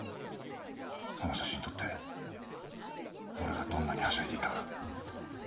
あの写真を撮って俺がどんなにはしゃいでいたか。